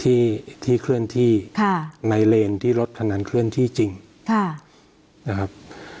ที่ที่เคลื่อนที่ค่ะในเลนที่รถคันนั้นเคลื่อนที่จริงนะครับ